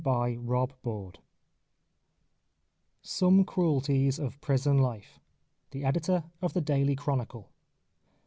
February, 1898. SOME CRUELTIES OF PRISON LIFE. THE EDITOR OF THE DAILY CHRONICLE.